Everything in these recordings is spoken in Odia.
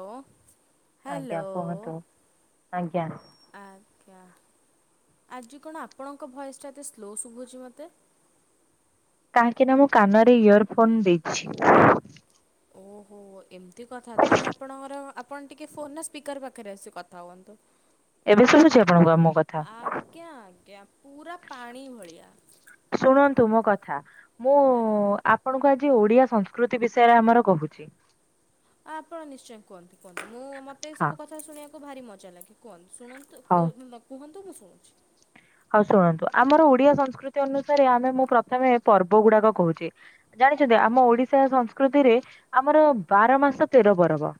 ଓ, ହ୍ୟାଲୋ ଆଜ୍ଞା କୁହନ୍ତୁ ଆଜ୍ଞା। ଆଜ୍ଞା। ଆଜି କଣ ଆପଣଙ୍କ ଭଏସ ଟା ଏତେ ସ୍ଲୋ ଶୁଭୁଛି ମତେ? କାହିଁକି ନା ମୁଁ କାନରେ ଇୟର ଫୋନ ଦେଇଛି। ଓହୋ। ଏମିତି କଥା, ତାହେଲେ ଆପଣଙ୍କର ଆପଣ ଟିକେ ଫୋନ ନା ସ୍ପିକର ପାଖ ପାଖରେ ଆସି କଥା ହୁଅନ୍ତୁ। ଏବେ ସବୁଛି [unintelligible] ଆଜ୍ଞା ଆଜ୍ଞା ପୁରା ପାଣି ଭଳିଆ। ତୁମ କଥା ମୁଁ ଆଜ୍ଞା। ଆପଣଙ୍କୁ ଆଜି ଓଡିଆ ସଂସ୍କୃତି ବିଷୟରେ ଆମର କହୁଛି। ଆପଣ ନିଶ୍ଚୟ କୁହନ୍ତୁ କୁହନ୍ତୁ ମୁଁ ମତେ ଏ ହଁ ସବୁ କଥା ଶୁଣିବାକୁ ଭାରି ମଜା ଲାଗେ କୁହନ୍ତୁ। ଶୁଣନ୍ତୁ ହଉ। ଓ କିମ୍ବା କୁହନ୍ତୁ ମୁଁ ଶୁଣୁଛି। ହଉ ଶୁଣନ୍ତୁ ଆମର ଓଡିଆ ସଂସ୍କୃତି ଅନୁସାରେ ଆମେ ମୁଁ ପ୍ରଥମେ ପର୍ବ ଗୁଡାକ କହୁଛି। ଜାଣିଛନ୍ତି ଆମ ଓଡିଶା ସଂସ୍କୃତିରେ ଆମର ବାର ମାସ ତେର ପର୍ବ।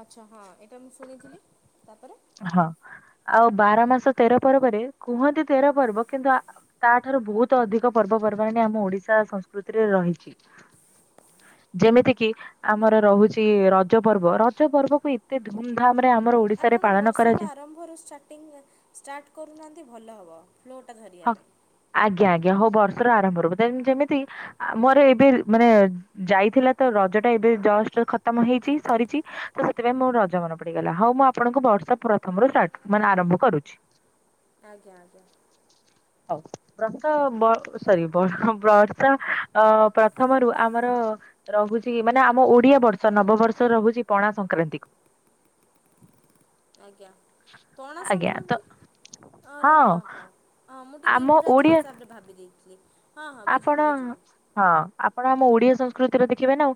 ଆଚ୍ଛା, ହଁ ଏଇଟା ମୁଁ ଶୁଣିଥିଲି, ତାପରେ ହଁ ଆଉ ବାର ମାସ ତେର ପର୍ବରେ କୁହନ୍ତି ତେର ପର୍ବ କିନ୍ତୁ ତାଠାରୁ ବହୁତ ଅଧିକ ପର୍ବ ପର୍ବାଣି ଆମ ଓଡିଶା ସଂସ୍କୃତିରେ ରହିଛି। ଯେମିତି କିି ଆମର ରହୁଛି ରଜ ପର୍ବ। ରଜ ପର୍ବକୁ ଏତେ ଧୁମ ଧାମରେ ଆମର ଓଡିଶାରେ। ଆପଣ ପାଳନ ବର୍ଷର କରାଯାଏ ଆରମ୍ଭରୁ ଷ୍ଟାର୍ଟିଂ ଷ୍ଟାର୍ଟ କରୁନାହାନ୍ତି ଭଲ ହେବ। ଫ୍ଲୋ ଟା ଧରିବା ହଁ ପାଇଁ। ଆଜ୍ଞା ଆଜ୍ଞା, ହଉ ବର୍ଷର ଆରମ୍ଭରୁ ଯେମିତି ମୋର ଏବେ ମାନେ ଯାଇଥିଲା ତ ରଜ ଟା ଏବେ। ଖତମ ହେଇଛି ସରିଛି ତ ସେଥିପାଇଁ ମୋର ରଜ ମନେ ପଡିଗଲା ହଉ ମୁଁ ଆପଣଙ୍କୁ ବର୍ଷ ପ୍ରଥମରୁ। ମାନେ ଆରମ୍ଭ କରୁଛି। ଆଜ୍ଞା, ଆଜ୍ଞା। ହଉ ବତ ସରି ବର୍ଷା ଅ ପ୍ରଥମରୁ ଆମର। ରହୁଛି, ମାନେ ଆମ ଓଡିଆ ବର୍ଷ ନବବର୍ଷ ରହୁଛି ପଣା ସଂକ୍ରାନ୍ତି। [inaudible] ଆଜ୍ଞା, ପଣା ଆଜ୍ଞା ତ ସଂକ୍ରାନ୍ତି ଆରେ ହଁ ହଁ। ହଁ ମୁଁ ଟିକେ ଆମ ଇଂରାଜୀ ଓଡିଆ ହିସାବରେ ଭାବି ଦେଇଥିଲି ହଁ ହଁ ଆପଣ ବୁଝିଲି, ବୁଝିଲି। ହଁ ଆପଣ ଆମ ଓଡିଆ ସଂସ୍କୃତିରେ ଦେଖିବେ ନା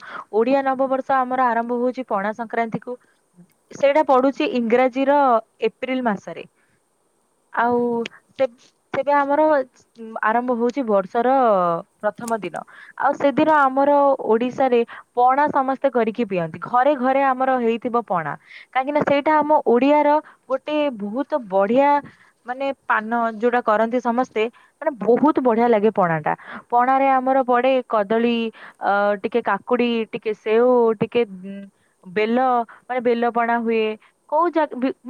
ଓଡିଆ ନବବର୍ଷ ଆମର ଆରମ୍ଭ ହଉଛି ପଣା ସଂକ୍ରାନ୍ତି ଠୁ। ସେଇଟା ପଢୁଛି ଇଂରାଜୀ ର ଏପ୍ରିଲ ମାସରେ। ହଁ। [inaudible] ଆଉ ସେ ଏବେ ଆମର ଆରମ୍ଭ ହଉଛି ବର୍ଷ ର ପ୍ରଥମ ଦିନ। ଆଉ ସେଦିନ ଆମର ଓଡିଶାରେ ପଣା ସମସ୍ତେ କରିକି ପିଅନ୍ତି। ଘରେ ଘରେ ଆମର ହେଇଥିବ ପଣା। କାହିଁକି ନା ସେଇଟା ଆମ ଓଡିଆର ଗୋଟେ ବହୁତ ବଢିଆ ମାନେ ପାନ ଯୋଉଟା କରନ୍ତି ସମସ୍ତେ, ମାନେ ବହୁତ ବଢିଆ ଲାଗେ ପଣା ଟା। ପଣା ରେ ଆମର ପଡେ କଦଳୀ ଅ ଟିକେ କାକୁଡି, ଟିକେ ସେଓ, ଟିକେ ବେଲ ମାନେ ବେଲ ପଣା। ହୁଏ, କୋଉ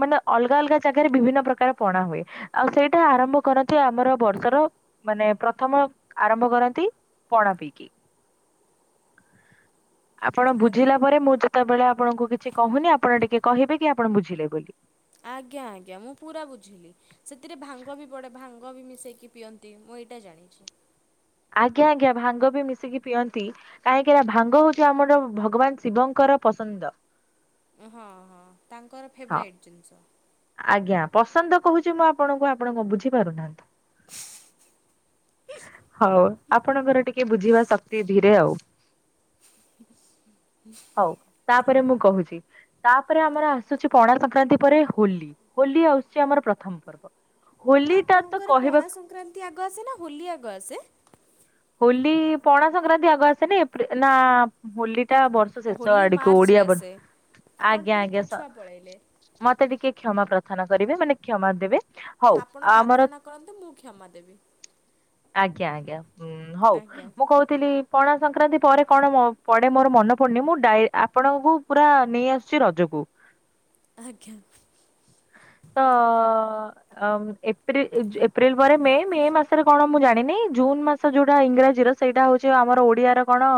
ମାନେ ଅଲଗା ଅଲଗା ଜାଗାରେ ବିଭିନ୍ନ ପ୍ରକାର ପଣା ହୁଏ। ଆଉ ସେଇଟା ଆରମ୍ଭ କରନ୍ତି, ଆମର ବର୍ଷର ମାନେ ପ୍ରଥମ ଆରମ୍ଭ କରନ୍ତି ପଣା ପିଇକି। [inaudible] ଆପଣ ଆଜ୍ଞା ବୁଝିଲା ପରେ ମୁଁ ଯେତେବେଳେ ଆପଣଙ୍କୁ କିଛି କହୁନି, ଆପଣ ଟିକେ କହିବେ କି -ଆପଣ ବୁଝିଲେ ବୋଲି। ଆଜ୍ଞା, ଆଜ୍ଞା, ମୁଁ ପୁରା ବୁଝିଲି। ସେଥିରେ ଭାଙ୍ଗ ବି ପଡେ। ଭାଙ୍ଗ ଭାଙ୍ଗବି ମିଶାଇକି ପିଅନ୍ତି ମୁଁ ଏଇଟା ଜାଣିଛି। ଆଜ୍ଞା, ଆଜ୍ଞା, ଭାଙ୍ଗ ବି ମିଶିକି ପିଅନ୍ତି। କାହିଁକି ନା ଭାଙ୍ଗ ହଉଛି ଆମର ଭଗବାନ ଶିବଙ୍କର ପସନ୍ଦ। ହଁ ହଁ ତାଙ୍କର ହଁ ଫେବରାଇଟ ଜିନିଷ। ଆଜ୍ଞା ପସନ୍ଦ କହୁଛି ମୁଁ ଆପଣଙ୍କୁ ଆପଣଙ୍କ ବୁଝି ପାରୁନାହାନ୍ତି। ବ [inaudible] ହଉ ଆପଣଙ୍କର ଟିକେ ବୁଝିବା ଶକ୍ତି ଧୀରେ, ଆଉ। [inaudible] ହଉ ତାପରେ ମୁଁ କହୁଛି। ତାପରେ ଆମର ଆସୁଛି ପଣା ସଂକ୍ରାନ୍ତି ପରେ ହୋଲି, ହୋଲି ଆଉଛି ଆମର ପ୍ରଥମ ପର୍ବ। ହୋଲି ଟା ତ ଆପଣଙ୍କର କହିବା ପଣା ସଂକ୍ରାନ୍ତି ଆଗ ଆସେ ନା ହୋଲି ଆଗ ଆସେ? ହୋଲି ପଣା ସଂକ୍ରାନ୍ତି ଆଗ ଆସେନି ଏପ୍ରି ନା ହୋଲି। ଏଟା ବର୍ଷ ଶେଷ ହୋଲି ଆଡିକୁ ମାର୍ଚ୍ଚରେ ଓଡିଆ ଆସେ ଆପଣ ଆଜ୍ଞା ଟିକେ ଆଜ୍ଞା ସ ପଛୁଆ ପଳେଇଲେ ମତେ ଟିକେ କ୍ଷମା ପ୍ରାର୍ଥନା କରିବେ ମାନେ କ୍ଷମା ଦେବେ। ହଉ ଆପଣ ଆମର ପ୍ରାର୍ଥନା କରନ୍ତୁ ମୁଁ କ୍ଷମା ଦେବି। ଆଜ୍ଞା ଆଜ୍ଞା ଉଁ ହଉ ଆଜ୍ଞା ମୁଁ କହୁଥିଲି। ପଣା ସଂକ୍ରାନ୍ତି ପରେ କଣ ମୋ ପଡେ ମୋର ମନେ ପଡୁନି ମୁଁ ଡ଼ାଇ ଆପଣଙ୍କୁ ପୁରା ନେଇ ଆସୁଚି ରଜକୁ। ଆଜ୍ଞା। ତ ଏପ୍ରି ଜୁ ଏପ୍ରିଲ ପରେ ମେ ମେ ମାସରେ କଣ ମୁଁ ଜାଣିନି। ଜୁନ୍ ମାସ ଯୋଉଟା ଇଂରାଜୀର ସେଇଟା ହଉଚି ଆମର ଓଡିଆର କଣ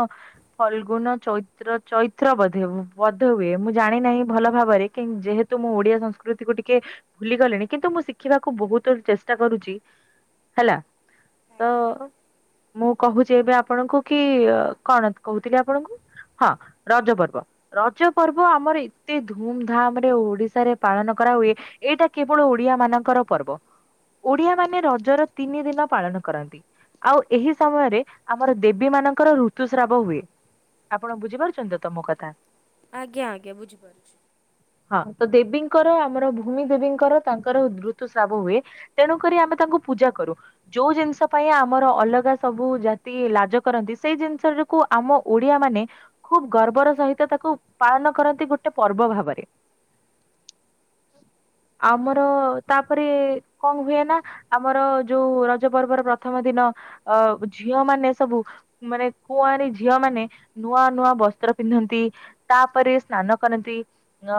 ଫଲଗୁନ ଚୈତ୍ର ଚୈତ୍ର ବୋଧେ ବଧ ହୁଏ ମୁଁ ଜାଣି ନାହିଁ ଭଲ ଭାବରେ କିଂ ଯେହେତୁ ମୁଁ ଓଡିଆ ସଂସ୍କୃତି କୁ ଟିକେ ଭୁଲି ଗଲେଣି କିନ୍ତୁ ମୁଁ ଶିଖିବାକୁ ବହୁତ ଚେଷ୍ଟା କରୁଚି। ହେଲା ତ ମୁଁ କହୁଚି ଏବେ ଆପଣଙ୍କୁ କି କଣ କହୁଥିଲି ଆପଣଙ୍କୁ? ହଁ ରଜ ପର୍ବ ରଜ ପର୍ବ ଆମର ଏତେ ଧୁମ ଧାମ ରେ ଓଡିଶାରେ ପାଳନ କରାହୁଏ ଏଇଟା କେବଳ ଓଡିଆ ମାନଙ୍କର ପର୍ବ। ଓଡିଆ ମାନେ ରଜର ତିନି ଦିନ ପାଳନ କରନ୍ତି। ଆଉ ଏହି ସମୟରେ ଆମର ଦେବୀ ମାନଙ୍କର ଋତୁସ୍ରାବ ହୁଏ। ଆପଣ ବୁଝିପାରୁଚନ୍ତି ତ ମୋ କଥା? ଆଜ୍ଞା ଆଜ୍ଞା ବୁଝିପାରୁଚି। ହଁ ତ ଦେବି ଙ୍କର ଆମର ଭୂମି ଦେବୀଙ୍କର ତାଙ୍କର ଋତୁ ଶ୍ରାବ ହୁଏ ତେଣୁ କରି ଆମେ ତାଙ୍କୁ ପୂଜା କରୁ। ଯୋଉ ଜିନିଷ ପାଇଁ ଆମର ଅଲଗା ସବୁ ଜାତି ଲାଜ କରନ୍ତି ସେଇ ଜିନିଷକୁ ଆମ ଓଡିଆ ମା ନେ ଖୁବ ଗର୍ବର ସହିତ ତାକୁ ପାଳନ କରନ୍ତି ଗୋଟେ ପର୍ବ ଭାବରେ। ଆମର ତାପରେ କଣ ହୁଏ ନା ଆମର ଯୋଉ ରଜ ପର୍ବର ପ୍ରଥମ ଦିନ ଅ ଝିଅ ମାନେ ସବୁ ମାନେ କୁଆରୀ ଝିଅ ମାନେ ନୂଆ ନୂଆ ବ ସ୍ତ୍ର ପିନ୍ଧନ୍ତି ତାପରେ ସ୍ନାନ କରନ୍ତି ଅ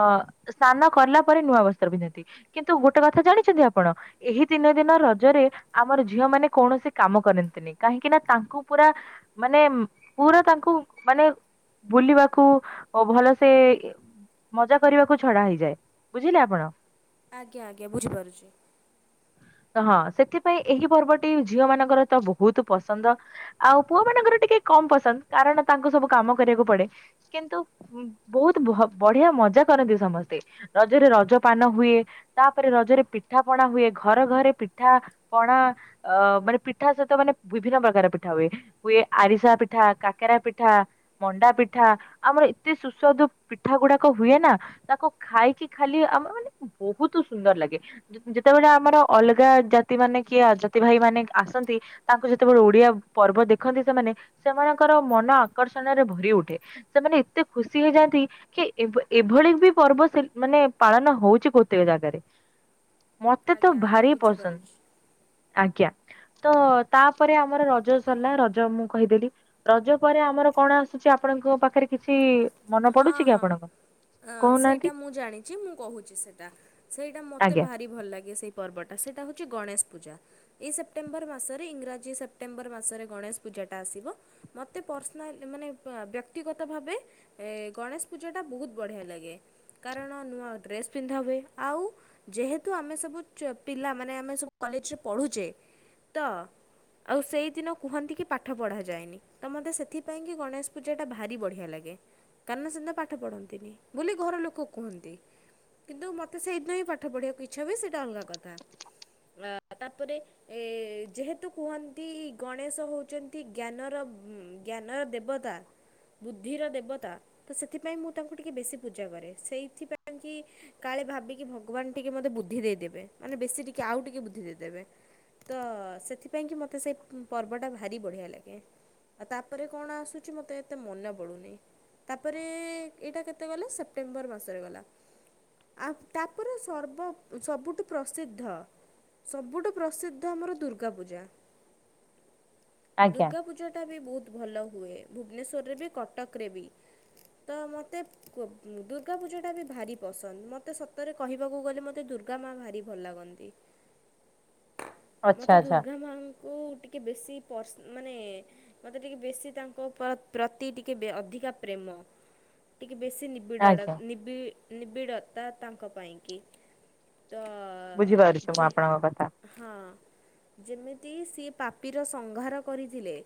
ସ୍ନାନ କଲା ପରେ ନୂଆ ବସ୍ତ୍ର ପିନ୍ଧନ୍ତି କିନ୍ତୁ ଗୋଟେ କଥା ଜାଣିଛନ୍ତି ଆପଣ ଏହି ତିନି ଦିନ ରଜରେ ଆମର ଝିଅ ମାନେ କୌଣସି କାମ କରନ୍ତିନି କାହିଁକି ନା ତାଙ୍କୁ ପୁରା ମାନେ ପୁରା ତା ଙ୍କୁ ମାନେ ବୁଲିବାକୁ ଭଲସେ ମଜା କରିବାକୁ ଛଡା ହେଇଯାଏ। ବୁଝିଲେ ଆପଣ। ଆଜ୍ଞା ଆଜ୍ଞା ବୁଝିପାରୁଚି। ହଁ ସେଥିପାଇଁ ଏହି ପର୍ବଟି ଝିଅ ମାନଙ୍କର ତ ବହୁତ ପସନ୍ଦ ଆଉ ପୁଅ ମାନଙ୍କର ଟିକେ କମ ପସନ୍ଦ କାରଣ ତାଙ୍କୁ ସବୁ କାମ କରିବାକୁ ପଡେ କିନ୍ତୁ ବହୁତ ଭ-ବଢିଆ ମଜା କରନ୍ତି। ସମସ୍ତେ ରଜରେ ରଜ ପାନ ହୁଏ। ତାପରେ ରଜରେ ପିଠା ପଣା ହୁଏ ଘରେ ଘରେ ପିଠା ପଣା ଅ ମାନେ ପିଠା ସହିତ ମାନେ ବିଭିନ୍ନ ପ୍ରକାର ପିଠା ହୁଏ। ହୁଏ ଆରିସା ପିଠା। କାକେରା ପିଠା, ମଣ୍ଡା ପିଠା, ଆମର ଏତେ ସୁସ୍ୱାଦୁ ପିଠା ଗୁଡାକ ହୁଏ ନା ତାକୁ ଖାଇକି ଖାଲି ଆମ ମାନେ ବହୁତ ସୁନ୍ଦର ଲାଗେ ଯେତେବେଳେ ଆମର ଅଲଗା ଜା ତି ମାନେ କିଏ ଜାତି ଭାଇ ମାନେ ଆସନ୍ତି ତାଙ୍କୁ ଯେତେବେଳେ ଓଡିଆ ପର୍ବ ଦେଖନ୍ତି ସେମାନେ ସେମାନଙ୍କ ର ମନ ଆକର୍ଷଣରେ ଭରି ଉଠେ ସେମାନେ ଏତେ ଖୁସି ହେଇଯାଆନ୍ତି କି ଏ-ଏଭଳି ବି ପର୍ବ ସେ ମାନେ ପାଳନ ହଉଚି କେତେକ ଜାଗାରେ। ମତେ ତ ଆଜ୍ଞା ଆଜ୍ଞା ଭାରି ପସନ୍ଦ ବୁଝିପାରୁଛି ଆଜ୍ଞା। ତ ତାପରେ ଆମର ରଜ ସରିଲା ରଜ ମୁଁ କହିଦେଲି। ରଜ ପରେ ଆମର କଣ ଆସୁଛି? ଆ ପଣଙ୍କ ପାଖରେ କିଛି ମନ ହଁ ପଡୁଛି କି ହଁ ଆପଣଙ୍କ? ଅଁ, କହୁନାହାନ୍ତି ସେଇଟା ମୁଁ ଜାଣିଚି ମୁଁ କହୁଚି ସେଟା ସେଇଟା ମତେ ଆଜ୍ଞା ଭାରି ଭଲ ଲାଗେ ସେଇ ପର୍ବଟା ସେଇଟା ହ ଚି ଗଣେଷ ପୂଜା ଏଇ ସେପ୍ଟେମ୍ବର ମାସରେ ଇଂରାଜୀ ସେପ୍ଟେମ୍ବର ମାସରେ ଗଣେଷ ପୂଜାଟା ଆସିବ। ମତେ ପର୍ସନା ମାନେ ବ୍ୟକ୍ତିଗତ ଭାବେ ଏ ଗଣେଶ ପୂଜାଟା ବହୁତ ବଢ଼ିଆ ଲାଗେ କାରଣ ନୂଆ ଡ୍ରେସ୍ ପିନ୍ଧା ହୁଏ। ଆଉ ଯେହେତୁ ଆମେ ସବୁ ପିଲାମାନେ ଆମେ ସବୁ କଲେଜରେ ପଢୁଚେ ତ ଆଉ ସେଇଦିନ କୁହନ୍ତି କି ପାଠ ପଢ଼ାଯାଏନି ତ ମୋତେ ସେଥିପାଇଁ କି ଗଣେଶ ପୂଜାଟା ଭାରି ବଢ଼ିଆ ଲାଗେ କାରଣ ସେଦିନ ପାଠ ପଢନ୍ତିନି ବୋଲି ଘର ଲୋକ କୁହନ୍ତି କିନ୍ତୁ ମତେ ସେଇଦିନ ହିଁ ପାଠ ପଢିବାକୁ ଇଛାହୁଏ ସେଇଟା ଅଲଗା କଥା ଅ ତାପରେ ଏ ଯେହେତୁ କୁହନ୍ତି ଗଣେଶ ହଉଛନ୍ତି ଜ୍ଞାନର ଜ୍ଞାନର ଦେବତା ବୁଦ୍ଧିର ଦେବତା ତ ସେଥିପାଇଁ ମୁଁ ତାଙ୍କୁ ଟିକେ ବେଶୀ ପୂଜା କରେ ସେଇଥିପାଇଁ କି କାଳେ ଭାବିକି ଭଗବାନ ଟିକେ ମୋତେ ବୁଦ୍ଧି ଦେଇଦେବେ ମାନେ ବେଶୀ ଟିକେ ଆଉ ଟିକେ ବୁଦ୍ଧି ଦେଇଦେବେ ତ ସେଥିପାଇଁ କି ମତେ ସେଇ ପର୍ବଟା ଭାରି ବଢିଆ ଲାଗେ। ଆଉ ତାପରେ କଣ ଆସୁଛି ମତେ ଏତେ ମନେ ପଡୁନି। ତାପରେ ଏଇଟା କେତେ ଗଲା ସେପ୍ଟେମ୍ବର ମାସରେ ଗଲା। ଆଉ ତାପରେ ସର୍ବ ସବୁଠୁ ପ୍ରସିଦ୍ଧ। ସବୁଠୁ ପ୍ରସିଦ୍ଧ ଆମର ଦୁର୍ଗାପୂଜା। ଆଜ୍ଞା ଦୁର୍ଗାପୂଜା ଟା ବି ବହୁତ ଭଲ ହୁଏ ଭୁବନେଶ୍ଵରରେ ବି କଟକରେ ବି। ତ ମତେ ଦୁର୍ଗାପୂଜା ଟା ବି ଭାରି ପସନ୍ଦ ମତେ ସତରେ କହିବାକୁ ଗଲେ ମତେ ଦୁର୍ଗାମା ଭାରି ଭଲ ଲାଗନ୍ତି ଆଚ୍ଛା ମତେ ଆଚ୍ଛା ଦୁର୍ଗାମା ମୁଁ ଟିକିେ ବେଶୀ ପର୍ସ ମାନେ ମୋତେ ଟିକେ ବେଶୀ ତାଙ୍କ ପ୍ରତି ଟିକେ ଅଧିକା ପ୍ରେମ ଟିକେ ବେଶୀ ନିବିଡ଼ ଆଜ୍ଞା ନିବି ନିବିଡ଼ତା ତାଙ୍କ ପାଇଁ କି। ତ ବୁଝିପାରୁଛି ମୁଁ ଯେ ଆପଣଙ୍କ କଥା ହଁ ଯେମିତି ସିଏ ପାପିର ସଂଗହାର କରିଥିଲେ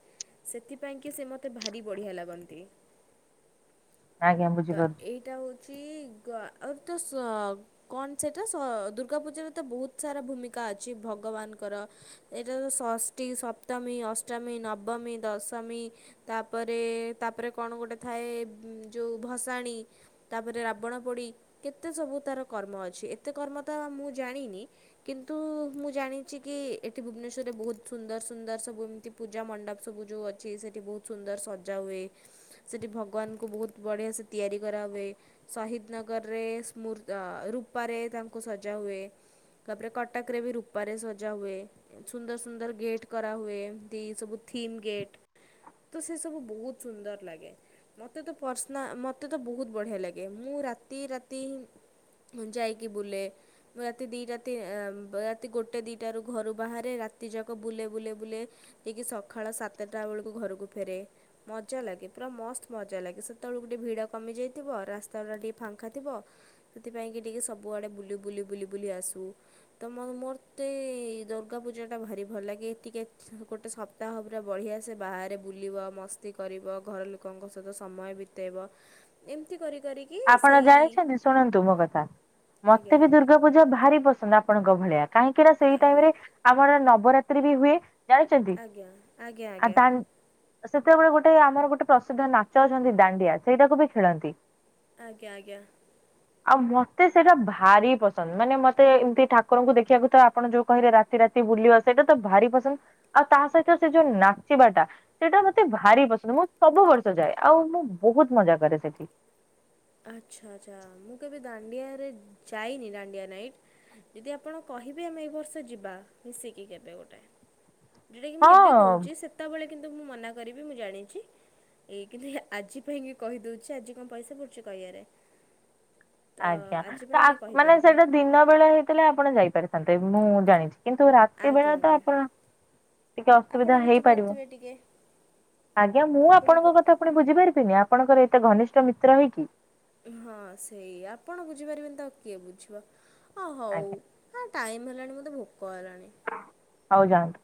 ସେଥିପାଇଁକି ସେ ମୋତେ ଭାରି ବଢ଼ିଆ ଲାଗନ୍ତି। ଆଜ୍ଞା ତ ବୁଝିପାରୁଛି ଏଇଟା ଆଉତ କଣ ସେଟା ଦୁର୍ଗା ପୂଜାରେ ତ ବହୁତ ସାରା ଭୂମିକା। ଅଛି ଭଗବାନଙ୍କର ଏଇଟାତ ଷଷ୍ଠୀ ସପ୍ତମୀ ଅଷ୍ଟମୀ ନବମୀ ଦଶମି। ତାପରେ ତାପରେ କଣ ଗୋଟେ ଥାଏ ଯେଉଁ ଭସାଣି ତାପରେ ରାବଣ ପୋଡ଼ି କେତେ ସବୁ ତାର କର୍ମ ଅଛି। ଏତେ କର୍ମ ତ ମୁଁ ଜାଣିନି କିନ୍ତୁ ମୁଁ ଜାଣିଛି କି ଏଠି ଭୁନେଶ୍ୱରରେ ବୋହୁତ ସୁନ୍ଦର ସୁନ୍ଦର ସବୁ ଏମିତି ପୂଜା ମଣ୍ଡପ ସବୁ ଯୋଉ ଅଛି ସେଠି ବହୁତ ସୁନ୍ଦର ସଜା ହୁଏ। ସେଠି ଭଗବାନଙ୍କୁ ବହୁତ ବଢିଆ ସେ ତିଆରି କରାହୁଏ ଶହିଦନଗର ରେ ସ୍ମ ରୁପାରେ ତାଙ୍କୁ ସଜା ହୁଏ। ତାପରେ କଟକରେ ବି ରୂପାରେ ସଜା ହୁଏ ସୁନ୍ଦରସୁନ୍ଦର ଗେଟ୍ କରାହୁଏ ଏମିତି ସବୁ। ଥିମ୍ ଗେଟ୍ ତ ସେସବୁ ବହୁତ ସୁନ୍ଦର ଲାଗେ। ମୋତେ ତ ପର୍ସନା ମୋତେ ତ ବହୁତ ବଢ଼ିଆ ଲାଗେ ମୁଁ ରାତିରାତି ଯାଇକି ବୁଲେ ମୁଁ ରାତି ଦିଟା ରାତି ରାତି ଗୋଟେଦିଟାରୁ ଘରୁ ବାହାରେ ରା ରାତିଯାକ ବୁଲେ ବୁଲେ ବୁଲେ ଯାଇକି ସକାଳ ସାତଟା ବେଳକୁ ଘରକୁ ଫେରେ ମଜା ଲାଗେ। ପୁରା ମସ୍ତ ମଜା ଲାଗେ ସେତେବେଳକୁ ଗୋଟେ ଭିଡ କମିଯାଇଥିବ ରାସ୍ତାଟା ଟିକେ ଫାଙ୍କା ଥିବ ସେଥିପାଇଁ। ଟିକେ ସବୁଆଡେ ବୁଲି ବୁଲି ବୁଲି ବୁଲି ଆସୁ ତ ମୋତେ ଦୁର୍ଗା ପୂଜାଟା ଭାରି ଭଲଲାଗେ ଟିକେ ଗୋଟେ ସପ୍ତାହ ପୁରା ବଢ଼ିଆସେ ବାହାରେ ବୁଲିବ ମସ୍ତି କରିବ। ଘର ଲୋକଙ୍କ ସହିତ ସମୟ ବିତେଇବ ଏମିତି କରି କରିକି ଆପଣ ସେଇ ଜାଣିଛନ୍ତି ଶୁଣନ୍ତୁ ମୋ କଥା ମତେ ଆଜ୍ଞା ବି ଦୁର୍ଗାପୂଜା ଭାରି ପସନ୍ଦ। ଆପଣଙ୍କ ଭଳିଆ କାହିଁକି ନା ସେଇ ଆଜ୍ଞା ଟାଇମ ରେ ଆମର ନବରାତ୍ରି ବି ହୁଏ। ଜାଣିଛନ୍ତି ଆଜ୍ଞା ଆଜ୍ଞା ଆ ଆଜ୍ଞା। ଦା ସେତେବେଳେ ଗୋଟେ ଆମର ଗୋଟେ ପ୍ରସିଦ୍ଧ ନାଚ ଅଛନ୍ତି ଦାଣ୍ଡିଆ ସେଇଟାକୁ ବି ଖେଳନ୍ତି। ଆଜ୍ଞା ଆଜ୍ଞା। ଆଉ ମତେ ସେଇଟା ଭାରି ପସନ୍ଦ ମାନେ ମତେ ଏମିତି ଠାକୁରଙ୍କୁ ଦେଖିବାକୁ ତ ଆପଣ ଯୋଉ କହିଲେ ରାତି ରାତି ବୁଲିବା ସେଇଟା ତ ଭାରି ପସନ୍ଦ ଆଉ ତା ସହିତ ସେ ଯୋଉ ନାଚିବାଟା ସେଇଟା ମତେ ଭାରି ପସନ୍ଦ ମୁଁ ମୁଁ ସବୁ ବର୍ଷ ଯାଏ ଆଉ ମୁଁ ବହୁତ ମଜା କରେ ସେଠି। ଆଛାଆଛା ମୁଁ କେବେ ଦାଣ୍ଡିଆରେ ଯାଇନି ଦାଣ୍ଡିଆ ନାଇ ଯଦି ଆପଣ ପେରେଭି ଆମେ ଏ ବର୍ଷ ଯିବା ମିଶିକି କେବେ ଗୋଟେ ଯୋଉଟାକି ମୁଁ ଏବେ ହଁ କହୁଛି ସେତେବେଳେ କିନ୍ତୁ ମୁଁ ମନା କରିବି ମୁଁ ଜାଣିଛି ଏଇ କିନ୍ତୁ ଆଜି ପାଇଁ କି କହିଦଉଛି ଆଜି କଣ ପଇସା ପଡୁ କହିଆରେ। ଆଜ୍ଞା ତ ମାନେ ସେଇଟା ଦିନ ବେଳେ ହେଇଥିଲେ ଆପଣ ଯାଇପାରିଥାନ୍ତେ ମୁଁ ଜାଣିଛି। କିନ୍ତୁ ରାତି ଆଜ୍ଞା ବେଳେତ ଆଜ୍ଞା ଆପଣ ଟିକେ ଆପଣ ଅସୁବିଧା ହେଇପାରିବ। ବୁଝିପାରୁଥିବେ ଟିକେ ଆଜ୍ଞା ମୁଁ ଆପଣଙ୍କୁ ଆପଣଙ୍କ କଥା ପୁଣି ବୁଝିପାରିବିନି ଆପଣଙ୍କର ଏତେ ଘନିଷ୍ଠ ମିତ୍ର ହେଇକି। ହଁ ସେଇ ଆପଣ ବୁଝିପାରିବେନି ତ ଆଉ କିଏ ବୁଝିବ? ହଁ ହଉ ଆଜ୍ଞା ହଁ ଟାଇମ୍ ହେଲାଣି ମୋତେ ଭୋକ ହେଲାଣି। ହଉ ଯାଉନୁ।